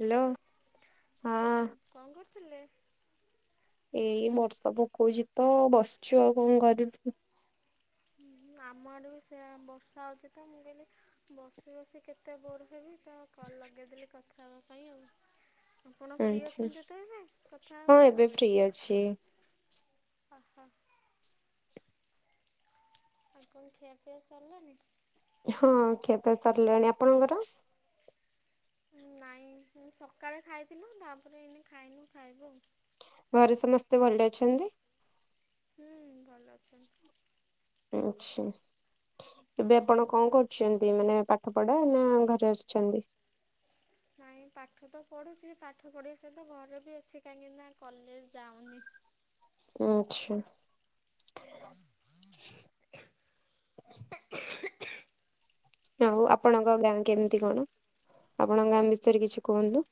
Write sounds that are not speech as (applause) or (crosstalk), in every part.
Hello ହଁ କଣ କରୁଥିଲେ? ଏଇ ବର୍ଷା ପକଉଛି ତ ବସିଛୁ ଆଉ କଣ କରିବୁ। ଆମ ଆଡ଼େ ବି ସେ ବର୍ଷା ହେଉଛି ତ ମୁଁ କହିଲି ବସି ବସି କେତେ ବୋର ହେବି। ତ କଲ୍ ଲଗେଇଦେଲି କଥା ହେବା ପାଇଁ ଆଉ। ଆପଣ ଫ୍ରି ଆଚ୍ଛା ଅଛନ୍ତି ତ ଏବେ କଥା ହଁ ହେବା ପାଇଁ? ଏବେ ଫ୍ରି ଅଛି ହ ହଁ। ଆଉ କଣ ଖିଆଫିଆ ସରିଲାଣି? ହଁ ଖିଆ ପିଆ ସରିଲାଣି। ଆପଣଙ୍କର? ନାଇଁ ସକାଳେ ଖାଇଥିଲୁ। ତାପରେ ଏଇନେ ଖାଇନୁ ଖାଇବୁ ଆଉ। ଘରେ ସମସ୍ତେ ଭଲ ଅଛନ୍ତି? ହୁଁ ଭଲ। ଅଛନ୍ତି। ଆଛା। ଏବେ ଆପଣ କଣ କରୁଛନ୍ତି ମାନେ ପାଠ ପଢା ନା ଘରେ ଆଛନ୍ତି? ନାଇଁ ପାଠ ତ ପଢ଼ୁଛି ପାଠ ପଢ଼ିବା ସହିତ ଘରେ ବି ଅଛି କାହିଁକି ନା କଲେଜ ଯାଉନି। ଆଚ୍ଛା। ଆଉ ଆପଣଙ୍କ ଗାଁ କେମିତି କଣ ଆପଣଙ୍କ ଗାଁ ବିଷୟରେ କିଛି କୁହନ୍ତୁ?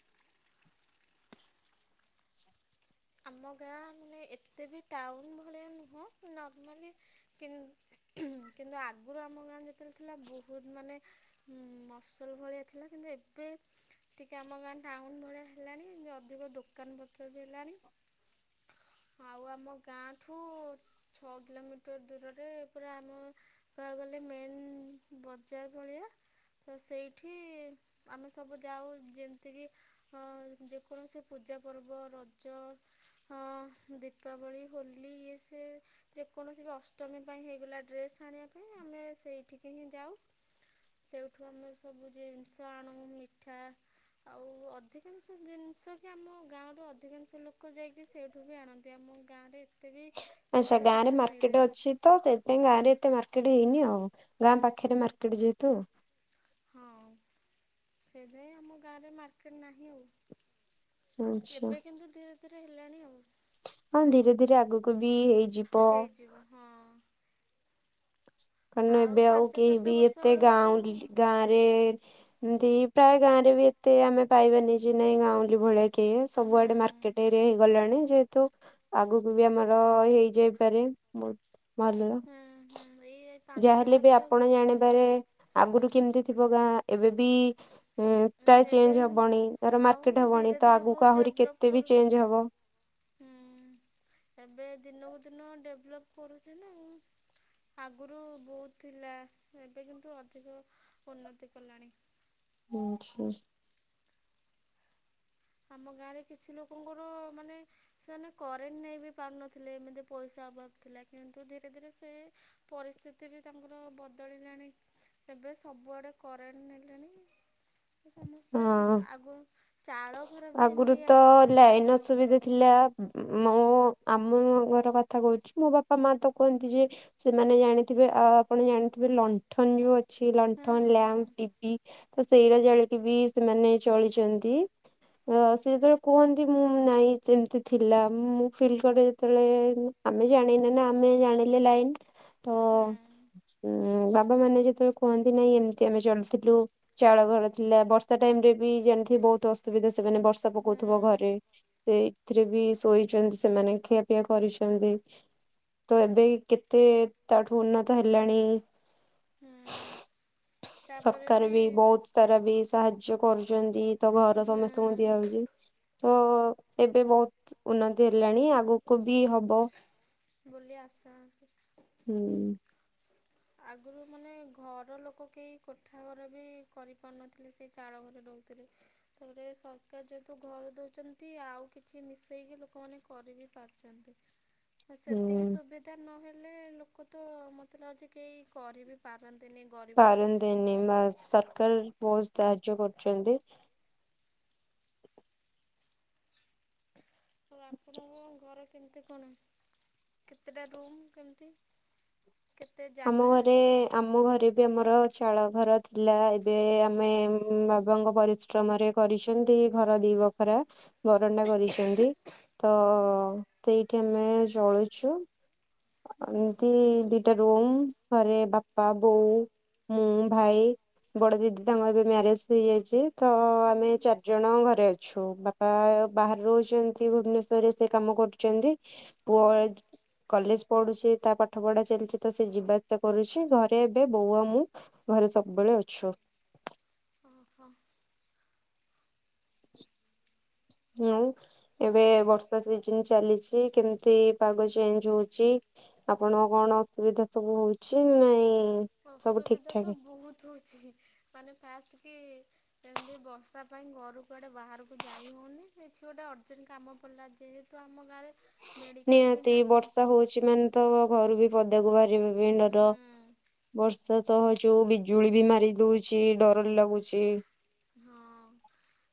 ଆମ ଗାଁ ମାନେ ଏତେ ବି ଟାଉନ ଭଳିଆ ନୁହଁ ନର୍ମାଲି କି କିନ୍ତୁ ଆଗରୁ ଆମ ଗାଁ ଯେତେବେଳେ ଥିଲା ବୋହୁତ୍ ମାନେ ହୁଁ ମଫ୍ ସୁଲ୍ ଭଳିଆ ଥିଲା କିନ୍ତୁ ଏବେ ଟିକେ ଆମ ଗାଁ ଟାଉନ ଭଳିଆ ହେଲାଣି ଅଧିକ ଦୋକାନ ପତ୍ର ବି ହେଲାଣି। ଆଉ ଆମ ଗାଁଠୁ ଛଅ କିଲୋମିଟର ଦୂରରେ ପୁରା ଆମ କହିବାକୁ ଗଲେ ମେନ୍ ବଜାର ଭଳିଆ ତ ସେଇଠି ଆମେ ସବୁ ଯାଉ ଯେମିତିକି ହଁ ଯେକୌଣସି ପୂଜା ପର୍ବ ରଜ ହଁ ଦୀପାବଳି ହୋଲି ଇଏ ସେ ଯେକୌଣସି ବି ଅଷ୍ଟମୀ ପାଇଁ ହେଇଗଲା ଡ୍ରେସ୍ ଆଣିବା ପାଇଁ ଆମେ ସେଇଠିକି ହିଁ ଯାଉ। ସେଇଠୁ ଆମେ ସବୁ ଜିନିଷ ଆଣୁ ମିଠା ଆଉ ଅଧିକାଂଶ ଜିନିଷ କି ଆମ ଗାଁର ଅଧିକାଂଶ ଲୋକ ତ ଯାଇକି ସେଇଠୁ ବି ଆଣନ୍ତି ଆମ ଗାଁରେ ଏତେ ବି ଆଚ୍ଛା ଜିନିଷ ଗାଁ ରେ କିଛି ମାର୍କେଟ ମିଳେନି। ଅଛି ତ ସେଥିପାଇଁ ଗାଁ ରେ ଏତେ ମାର୍କେଟ୍ ହେଇନି ଆଉ ଗାଁ ପାଖରେ ମାର୍କେଟ୍ ଯେହେତୁ। ହଁ ସେଇଥି ପାଇଁ ଆମ ଗାଁରେ ମାର୍କେଟ ନାହିଁ ଆଉ। ଆଚ୍ଛା ଏବେ କିନ୍ତୁ ଧୀରେ ଧୀରେ ହେଲାଣି ଆଉ। ହଁ ଧୀରେ ଧୀରେ ଆଗକୁ ବି ହେଇଯିବ। ହେଇଯିବ ହଁ। କରଣ ଏବେ ଆଉ ପାଞ୍ଚ କେହି ବି ସାତ ବର୍ଷ ଏତେ ବେଳକୁ ଗାଉଁଲି ଗାଁ ରେ ଏମିତି ପ୍ରାୟ ଗାଁରେ ବି ଏତେ ଆମେ ପାଇବାନି ଯେ ନାଇଁ ଗାଉଁଲି ଭଳିଆ କେ ହୁଁ ସବୁଆଡେ ମାର୍କେଟ। ହେଇଗଲାଣି ଯେହେତୁ ଆଗକୁ ବି ଆମର ହେଇଯାଇପାରେ। ବୋହୁତ ମାଲୁର ହୁଁ ହୁଁ ଏଇ ପାଞ୍ଚ ଯାହାହେଲେ ବି ସାତ ଆପଣ ଜାଣିବାରେ ଆଗରୁ କେମିତି ଥିବ ଗାଁ ଏବେବି ହୁଁ ପ୍ରାୟ ଏବେ ଚେଞ୍ଜ ହବଣି ତାର ଆଉ ମାର୍କେଟ ହବଣି ଧୀରେ ତ ଧୀରେ ଆଗକୁ ବହୁତ ଆହୁରି ଡେଭଲପ୍ କେତେ ବି କରୁଛି ଚେଞ୍ଜ ହବ। ହୁଁ ଏବେ ଦିନକୁ ଦିନ ଡେଭଲପ୍ କରୁଛି ନା ଆଉ। ଆଗରୁ ବହୁତ ଥିଲା ଏବେ କିନ୍ତୁ ଅଧିକ ଉନ୍ନତି କଲାଣି। ଶୁଣୁଛି। ଆମ ଗାଁରେ କିଛି ଲୋକଙ୍କର ମାନେ ସେମାନେ କରେଣ୍ଟ ନେଇ ବି ପାରୁନଥିଲେ ଏମିତି ପଇସା ଅଭାବ ଥିଲା କିନ୍ତୁ ଧୀରେ ଧୀରେ ସେ ପରିସ୍ଥିତି ବି ତାଙ୍କର ବଦଳିଲାଣି। ଏବେ ସବୁଆଡେ କରେଣ୍ଟ ନେଲେଣି। ସମସ୍ତେ ହଁ ଆଗରୁ ଚାଳ ଘର ବି ଆଗରୁ ଏନି ତ ଲାଇନ ଅସୁବିଧା ଥିଲା ମୁଁ ଆମଘର କଥା କହୁଛି ମୋ ବାପା ବାପା ମା ତ କୁହନ୍ତି ଯେ ସେମାନେ ଜାଣିଥିବେ ଆ ଆପଣ ଜାଣିଥିବେ ଲଣ୍ଠନ ଯୋଉ ଅ ଛି ହୁଁ ଲଣ୍ଠନ ଲ୍ୟାମ୍ପ ଟିଭି ତ ସେଇରା ଜାଳିକି ବି ସେମାନେ ଚଳିଛନ୍ତି। ଅ ସେ ଯେତେବେଳେ କୁହନ୍ତି ମୁଁ ନାଇଁ ସେମିତି ଥିଲା ମୁଁ ଫିଲ୍ କରେ ଯେତେବେଳେ ଆମେ ଜାଣିନେ ନା ଆମେ ଜାଣିଲେ ଲାଇନ୍ ତ ହୁଁ ବାବା ମାନେ ଯେତେବେଳେ କୁହନ୍ତି ନାଇଁ ଏମିତି ଆମେ ଚଳିଥିଲୁ ଚାଳ ଘର ଥିଲା ବର୍ଷା ଟାଇମ୍ ରେ ବି ଜାଣିଥିବ ବହୁତ ଅସୁବିଧା ସେମାନେ ବର୍ଷା ହୁଁ ପକଉଥିବ ଘରେ। ସେ ଏଥିରେ ବି ଶୋଇଛନ୍ତି ସେମାନେ ଖିଆପିଆ କରିଛନ୍ତି। ତ ଏବେ କେତେ ତାଠୁ ଉନ୍ନତ ହେଲାଣି। ହୁଁ ସବକାର ବି ବହୁତ ସାରା ବି ସାହାଯ୍ୟ କରୁଛନ୍ତି ତ ହୁଁ ଘର ସମସ୍ତଙ୍କୁ ଦିଆ ହୋଉଛି। ତ ଏବେ ବହୁତ ଉନ୍ନତି ହେଲାଣି ଆଗକୁ ବି ହବ। ବୋଲି ଆସା। ହୁଁ। ଆଗରୁ ମାନେ ଘର ଲୋକ କେହି କୋଠାଘର ବି କରିପାରୁନଥିଲେ ସେ ଚାଳ ଘରେ ରହୁଥିଲେ। ସେରେ ସରକାର ଯେହେତୁ ଘରୁ ଦେଉଛନ୍ତି ଆଉ କିଛି ମିଶେଇକି ଲୋକମାନେ କରି ବି ପାରୁଛନ୍ତି (inaudible) ହ ସେତିକି ହୁଁ ସୁବିଧା ନହେଲେ ଲୋକ ତ ମତେ ଲାଗୁଚି କେହି କରିିବି ପାରନ୍ତିନି। ଗରିବ ଲୋକ। ପାରନ୍ତିନି ବା ସରକାର ବହୁତ ସାହାଯ୍ୟ କରୁଛନ୍ତି। ତେଣୁ ଆପଣଙ୍କ ଘର କେମିତି କଣ କେତେଟା ରୁମ୍ କେମିତି? କେତେ ଆମ ଜାଗା? ଘରେ ଆମ ଘରେ ବି ଆମର ଚାଳ ଘର ଥିଲା ଏବେ ଆମେ ବାବାଙ୍କ ପରି ଶ୍ରମରେ କରିଛନ୍ତି ଘର ଦି ବଖରା ବରଣ୍ଡା କରିଛନ୍ତି। ତ ହୁଁ ସେଇଠି ଆମେ ଜଳୁଚୁ। ହୁଁ ଏମିତି ଦିଟା ରୁମ୍ ଥରେ ବାପା ବୋଉ ମୁଁ ଭାଇ ବଡ ଦିଦି ତାଙ୍କର ଏବେ ମ୍ୟାରେଜ ହେଇଯାଇଚି, ତ ଆମେ ଚାରି ଜଣ ଘରେ ଅଛୁ। ବାପ ବା ବାହାରେ ରହୁଚନ୍ତି। ଭୁବନେଶ୍ୱରରେ ସେ କାମ କରୁଚନ୍ତି। ହୁଁ ପୁଅ କଲେଜ ପଢୁଚି ତା ପାଠ ପଢା ଚାଲିଚି ତ ସେ ଯିବାଆସ କରୁଚି। ଘରେ ଏବେ ବୋଉ ଆଉ ମୁଁ ଘରେ ସବୁବେଳେ ଅଛୁ। ଓହୋ। ଆଉ? ଏବେ ବର୍ଷା ସିଜନ ଚାଲିଚି। କେମିତି ପାଗ ଚେଞ୍ଜ ହଉଚି। ଆପଣଙ୍କ କଣ ଅସୁବିଧା ସବୁ ହଉଚି ନାଇଁ ସବୁ ଠିକ ଅସୁବିଧା ଠାକ ତ ବହୁତ ହଉଚି ମାନେ ଫାଷ୍ଟ କି ସେମତି ବର୍ଷା ପାଇଁ ଘରୁ କୁଆଡେ ବାହାରକୁ ଯାଇ ହଉନି କିଛି ଗୋଟେ ଅର୍ଜେଣ୍ଟ କାମ ଖିଲା ଯେହେତୁ ଆମ ଗାଁରେ ମେଡ଼ିକାଲ ବି ନିହାତି ନାହିଁ ବର୍ଷା ହଉଚ କିଷ ମାନେ ତ ଘରୁ ବି ପଦାକୁ ବାହାରିବେ ଭି ଡର। ହୁଁ ବର୍ଷା ସହ ଯୋଉ ବିଜୁଳି ବି ମାରି ଦଉଚି, ଡର ଲାଗୁଚି। ହଁ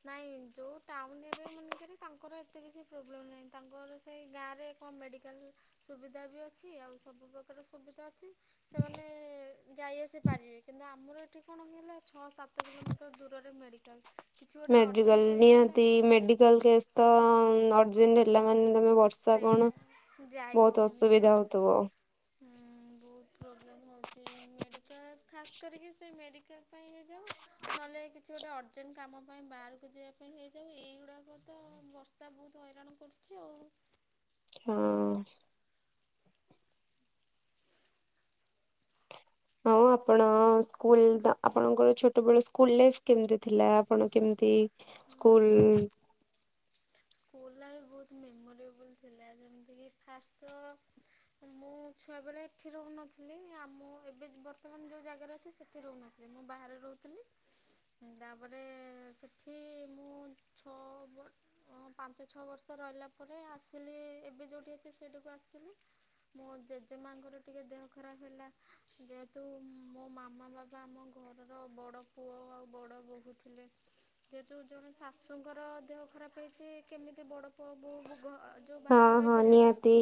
ନାଇଁ ଯୋଉ ଟାଉନ ଏରିଆ ମାନେକରେ ତାଙ୍କର ଏତେ କିଛି ପ୍ରୋବ୍ଲେମ ନାହିଁ। ତାଙ୍କର ସେଇ ଗାଁରେ କଣ ମେଡ଼ିକାଲ ସୁବିଧା ବି ଅଛି ଆଉ ସବୁ ପ୍ରକାର ସୁବିଧା ଅଛି। ସେମାନେ ଯାଇ ଆସି ପାରିବେ କିନ୍ତୁ ଆମର ଏଠି କଣ ହେଲା ଛଅ ସାତ କିଲୋମିଟର ଦୂ ରରେ ମେଡିକାଲ। ମେଡିକାଲ ନିହାତି ମେଡିକାଲ କେସ୍ ତ ହଁ ଅର୍ଜେଣ୍ଟ ହେଲା ମାନେ ତମେ ବର୍ସ ଷା ସେଇଆ କଣ ଯାଇ ବହୁତ ହଉନି ପା। ଅସୁବିଧା ହଉଥିବ। ହୁଁ ବୋ ହୁତ ପ୍ରୋବ୍ଲେମ୍ ହଉଚି। ମେଡ଼ିକାଲ ଖାସ୍ କରିକି ସେ ମେଡ଼ିକାଲ ପାଇଁ ହେ ଯୋଉ ନହେଲେ କିଛି ଗୋଟେ ଅର୍ଜେଣ୍ଟ କାମ ପାଇଁ ବାହାରକୁ ଯିଆ ପାଇଁ ହେଇଯାଉ। ଏଇଗୁଡ଼ାକ ତ ବର୍ଷ ଶା ବହୁତ ହଇରାଣ କରୁଚି ଆଉ। ହଁ। (inaudible) ହଁ ଆପଣ ସ୍କୁଲ ଆପଣଙ୍କର ଛୋଟବେଳ ସ୍କୁଲ ଲାଇଫ କେମିତି ଥିଲା? ଆପଣ କେମିତି ହଁ ସ୍କୁଲ ସ୍କୁଲ ଲାଇଫ ବହୁତ ମେମୋରେବଲ୍ ଥିଲା। ଯେମିତିକି ଫାଷ୍ଟ ତ ମୁଁ ଛୁଆବେଳେ ଏଠି ରହୁନଥିଲି ଆଉ ମୁଁ ଏବେ ବର୍ତ୍ତମାନ ଯୋଉ ଜାଗାରେ ଅଛି ସେଠି ରହୁନ ଥିଲି। ମୁଁ ବାହାରେ ରହୁଥିଲି। ତାପରେ ସେଠି ମୁଁ ଛଅ ବ ହଁ ପାଞ୍ଚ ଛଅ ବର୍ଷ ରହିଲା ପରେ ଆସିଲି ଏବେ ଯୋଉଠି ଅଛି ସେଇଠିକୁ ଆସିଲି। ମୋ ଜେଜେମାଙ୍କର ଟିକେ ଦେହ ଖରାପ ହେଲା ଯେହେତୁ ମୋ ମାମା ବାବା ଆମ ଘ ଘରର ବଡ଼ ପୁଅ ଆଉ ବଡ଼ ବୋହୂ ଥିଲେ। ଯେହେତୁ ଜଣେ ଶାଶୁଙ୍କର ଦେହ ଖରାପ ହେଇଚି କେମିତି ବଡ ପୁଅ ବୋଉ ଘ ଯୋଉ ହଁ ବାହାରେ ହଁ ରହିପାରିବେ କି? ନିହାତି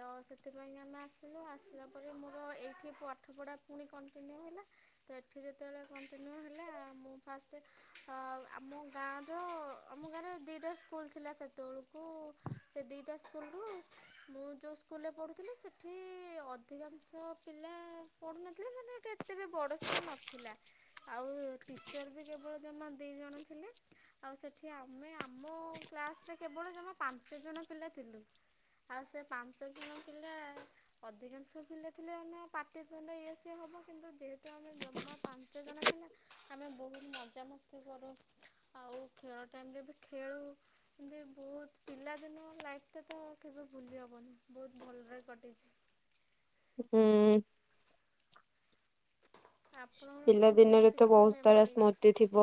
ତ ସେଥିପାଇଁ ଆମେ ଆସିଲୁ। ଆସିଲା ପରେ ମୋର ଏଇଠି ପାଠପଢ଼ା ପୁଣି କଣ୍ଟିନ୍ୟୁ ହେଲା। ତ ଏଠି ଯେତେବେଳେ କଣ୍ଟିନ୍ୟୁ ହେଲା ଆ ମୁଁ ଫାଷ୍ଟେ ଅ ଆମ ଗାଁର ଆମ ଗାଁର ଦୁଇଟା ସ୍କୁଲ ଥିଲା ସେତଅଳକୁ ସେ ଦିଇଟା ସ୍କୁଲରୁ ମୁଁ ଯୋଉ ସ୍କୁଲରେ ପଢ଼ୁଥିଲି ସେଠି ଅଧିକାଂଶ ପିଲା ପଢ଼ୁନଥିଲେ ମାନେ ଏଇଟା ଏତେ ବି ବଡ଼ ସ୍କୁଲ ନଥିଲା। ଆଉ ଟିଚର ବି କେବଳ ଜମା ଦି ଜଣ ଥିଲେ ଆଉ ସେଠି କି ଆମେ ଆମ କ୍ଲାସରେ କେବଳ ଜମା ପାଞ୍ଚ ଜଣ ପିଲା ଥିଲୁ। ଆଉ ସେ ପାଞ୍ଚ ଜଣ ପିଲା ଅଧିକାଂଶ ପିଲା ଥିଲେ ଆମେ ପାଟି ତୁଣ୍ଡ ଇଏ ସିଏ ହବୁ କିନ୍ତୁ ଯେହେତୁ ଆମେ ଜମା ପାଞ୍ଚ ଜଣ ପିଲା ଆମେ ବହୁତ ମଜାମସ୍ତି କରୁ ଆଉ ଖେଳ ଟାଇମରେ ବି ଖେଳୁ କିନ୍ତୁ ବହୁତ ପିଲାଦିନ ଲାଇଫଟା ତ କେବେ ଭୁଲି ହବନି ବହୁତ ଭଲରେ କଟିଚି। ହୁଁ। ଆପଣଙ୍କର ପିଲା କଣ ଦିନରେ ସେମିତି ତ କିଛି ବହୁତ ସାରା ମେମୋରି? ସ୍ମୃତି ଥିବ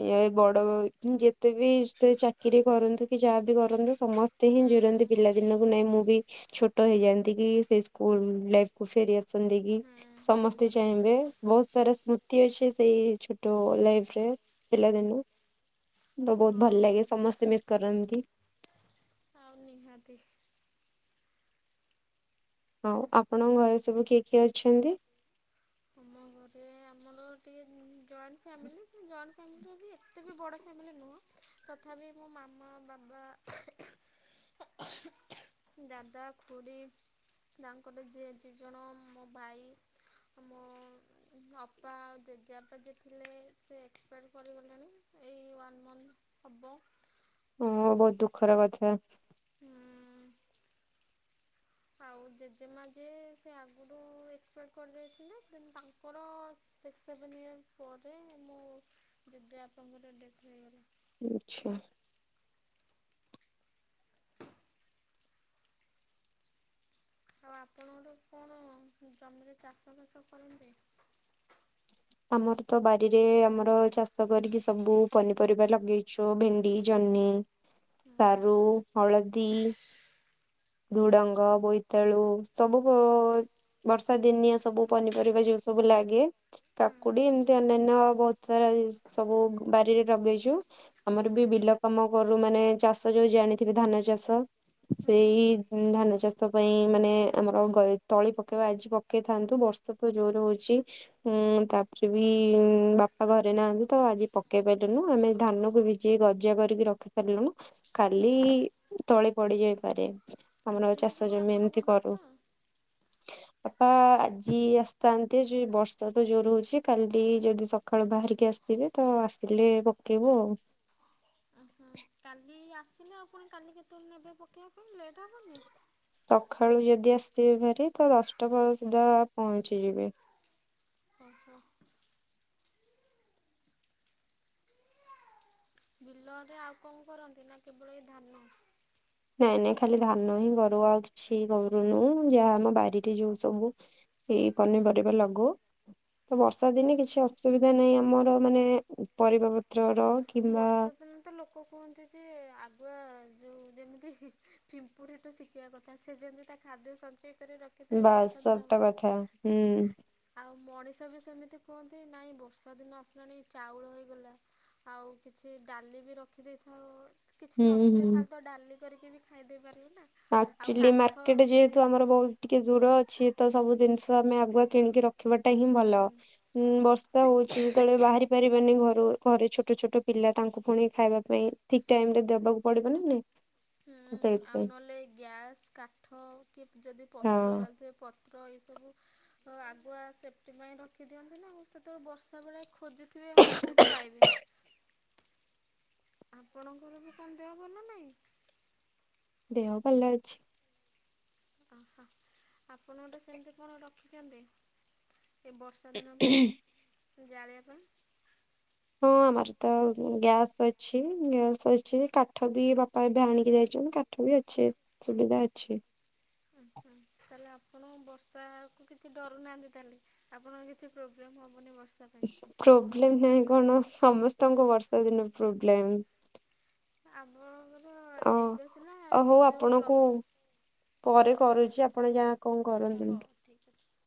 ଇଏ ବଡ ହୋଇ ଯେତେ ବି ସେ ଚାକିରି କରନ୍ତୁ କି ଯାହା ବିି କରନ୍ତୁ ସମସ୍ତେ ହିଁ ହୁଁ ଜୁୁରନ୍ତି ପିଲା ଦିନକୁ ନାଇଁ ମୁଁ ବି ଛୋଟ ହେଇଯାନ୍ତି କି ସେ ସ୍କୁଲ ଲାଇଫ କୁ ଫେରି ଆସନ୍ତି କି। ହୁଁ ହୁଁ। ସମସ୍ତେ ଚାହିଁବେ। ବହୁତ ସାରା ସ୍ମୃତି ଅଛି ସେଇ ଛୋଟ ଲାଇଫ ରେ ପିଲାଦିନୁ। ମୋ ବହୁତ ହଁ ଭଲ ଲାଗେ ସମସ୍ତେ ମିସ୍ କରନ୍ତି। ଆଉ ନିହାତି। ହଉ ଆପଣଙ୍କ ଘରେ ସବୁ କିଏ କିଏ ଅଛନ୍ତି? ଆମ ଘରେ ଆମର ଟିକେ ଜଏଣ୍ଟ ଫ୍ୟାମିଲି ଜଏଣ୍ଟ ଫ୍ୟାମିଲିର ବି ଏତେ ବି ବଡ଼ ଫ୍ୟାମିଲି ନୁହଁ। ତଥାପି ମୋ ମାମା ବାବା ଦାଦା ଖୁଡି ତାଙ୍କର ଝିଅ ଦୁଇ ଜଣ ମୋ ଭାଇ ଆ ମୋ ଅପା ଆଉ ଜେଜେବାପା ଯେ ଥିଲେ ସେ ଏକ୍ସପାୟାର୍ କରିଗଲେଣି ଏଇ ୱାନ୍ ମନ୍ଥ ହବ। ଓ ବହୁତ ଦୁଃଖର କଥା। ହୁଁ ଉଁ ଉଁ ଉଁ। ଆଉ ଜେଜେମାଜେ ଯେ ଆଗରୁ ଏକ୍ସପାଡ଼ କରିଯାଇଥିଲେ। କିନ୍ତୁ ତାଙ୍କ ଙ୍କର ସିକ୍ସ ସେଭେନ୍ ଇୟର୍ ପରେ ମୋ ଜେଜେ ବାପା ଙ୍କର ଡେଥ ହେଇଗଲା। ଆଚ୍ଛା। ଆଉ ଆପଣ ଗୋଟେ କଣ ଜମିରେ ଚାଷ ବାସ କରନ୍ତି? ଆମର ତ ବାରିରେ ଆମର ଚାଷ କରିକି ସବୁ ପନିପରିବା ଲଗେଇ ସୁ ଭିଣ୍ଡି ଜହନୀ ହୁଁ ସାରୁ ହଳଦୀ ଝୁଡଙ୍ଗ ବୋଇତାଳୁ ସବୁ ବର୍ଷା ଦିନଆ ସବୁ ପନିପରିବା ଯୋଉ ସବୁ ଲାଗେ। ହୁଁ କାକୁଡି ଏମିତି ଅନ୍ୟାନ୍ୟ ବହୁତ ସାରା ସବୁ ବାରିରେ ଲଗେଇଚୁ। ହୁଁ ଆମର ବି ବିଲ କାମ କରୁ ମାନେ ଚାଷ ଯୋଉ ଜାଣିଥିବେ ଧାନ ଚାଷ। ହୁଁ ସେଇ ଧାନ ଚାଷ ପାଇଁ ମାନେ ଆମର ଗ ତଳି ପକେଇବା ଆଜି ପ କେଇଥାନ୍ତୁ ବର୍ଷା ତ ଜୋର ହଉଚି ହୁଁ ତାପରେ ବି ବାପା ଘରେ ନାହାନ୍ତି ତ ଆଜି ପକେଇ ପାରିଲୁନୁ ଆମେ ଧାନକୁ ବି ଯି ଗଜା କରିକି ରଖି ସାରିଲେଣି ହୁଁ। ଖାଲି ତଳେ ପଡିଯାଇପାରେ। ଆମର ଆସିବେ କି ଚାଷ ଜମି ଏମତି ଆପଣଙ୍କ କରୁ। ବାପା? ବାପା ଆଜି ଆସିଥାନ୍ତିେ ଯ ବର୍ଷା ତ ଜୋର ହଉଛି କାଲି ଯଦି ସକାଳୁ ବାହାରିକି ଆସିଥିବେ ତ ଆସିଲେ ପକେଇବୁ ଆଉ। ଓହୋ କାଲି ଆସିଲେ ଆଉ ପୁଣି କାଲି କେତେବେଳେ ନେବେ ପକେଇବା ପାଇଁ ଲେଟ୍ ହବନି? ସକାଳୁ ଯଦି ଆସିଥିବେ ଭାରି ତ ପରେ ସୁଦ୍ଧା ପହଞ୍ଚିଯିବ ଓହୋ। ବିଲରେ ଆଉ କଣ କରନ୍ତି ନା କେବଳ ଏଇ ଧାନ? ନାଇଁ ନାଇଁ ଖାଲି ଧାନ ହିଁ ଗରୁ ଅଛି ଗରୁନୁ ଯାହା ଆମ ବାାରିରେ ଯୋଉ ସବୁ। ଏଇ ପନିପରିବା ଲଗଉ। ତ ବର୍ଷା ଦିନେ କିଛି ହୁଁ। ଅସୁବିଧା ନାହିଁ ଆମର ମାନେ ପରିବା ପତ୍ର ର। ବର୍ଷା ଦିନ ତ ଲୋକ କୁହନ୍ତି ଯେ ଆଗୁଆ ଯେଉ ଯେମିତି ପିମ୍ପୁଡି ଶିଖୀ। ରଖବା କଥା ସେ ଯେମିତି ତା ଖାଦ୍ୟ ସଞ୍ଚୟ କରି ରଖ। ବାସ୍ ସତ କଥା ହୁଁ। ଆଉ ମଣିଷ ବି ସେମିତି କୁହନ୍ତି ନାଇଁ ବର୍ଷା ଦିନ ଆସିଲାଣି ଚାଉଳ ହେଇଗଲା। ଆଉ କିଛି ଡାଲି ବି ରଖିଦେଇଥାଉ କିଛି ହୁଁ ନଥିଲେ ହୁଁ। ଖାଲି ତ ଡାଲି। କରିକି ବି ଖାଇ ଦେଇେଇ ପାରିବୁ ନା। ଆଉ ପାଚିଲି କାଠ ମାର୍କେଟ ଯେ। ୁ ଆମର ବହୁତ ଟିକେ ଦୂର ଅଛି ତ ସବୁ ଜିନିଷ ଆମେ ଆଗୁଆ କିଣିକି ରଖିବାଟା ହିଁ ହୁଁ ଭଲ। ଉଁ ବର୍ଷା ହଉଛି ଯେତେବେଳେ ବାହାରି ପାରିବାନି ଘରୁ ଘରେ ଛୋଟ ଛୋଟ ପିଲା ତାଙ୍କୁ ପୁଣି ଖାଇବା ପାଇଁ। ଠିକ ଟାଇମ ରେ ଦେବାକୁ ପଡିବନି ନାହିଁ। ହୁଁ ଆଉ ନହେଲେ ଗ୍ୟାସ କାଠ କି ଯଦି ପତ୍ର ହଁ। ଜାଳୁଥିବେ ପତ୍ର। ର ଏହି ସବୁ ଆଗୁଆ ସେଫ୍ଟି ପାଇଁ ରଖିଦିଅନ୍ତି ନା ଆଉ ସେତେବେଳେ ବର୍ଷା। ସେତେବେଳେ ଖୋଜୁଥିବେ ମୁଁ କେଉଠୁ ପାଇବି। ଆପଣଙ୍କର ବିକଣଦେହ ଭଲ ନା ନାହିଁ? ଦେହ ଭଲ ଅଛି। ଆହାଆପଣ ଗୋଟେ ସେମିତି କଣ ରଖିଛନ୍ତି? ଏ ବର୍ଷା ଦିନ ପାଇଁ ଜାଳିିବା ପାଇଁ। ହଁ ଆମର ତ ଗ୍ୟାସ୍ ଅଛି ଗ୍ୟାସ୍ ଅଛି କାଠ ବି ବାପା ଏବେ ଆଣିକି ଯାଇଛନ୍ତି କାଠ କାଠବି ଅଛି ସୁବିଧା ଅଛି। ତାହେଲେ ଆପଣ ବର୍ଷାକୁ କିଛି ଡରୁ ନାହାନ୍ତି ତାହେଲେ ଆପଣଙ୍କ କିଛି ପ୍ରୋବ୍ଲେମ୍ ହବନି ବର୍ଷା। ପାଇଁ ପ୍ରୋବ୍ଲେମ ନାଇଁ କଣ ସମସ୍ତଙ୍କ ବର୍ଷା ଦିନ ପ୍ରୋବ୍ଲେମ୍। ଆପଣଙ୍କର ଓ ଏବେ ସିନା ଓ ହଉ ଯେଉଁ ଲ ଆପଣଙ୍କୁ ପରେ କରୁଚି ଆପଣ ଯାନ୍ତ୍ ଆଚ୍ଛା ହଉ, ଠିକ୍ ଅଛି।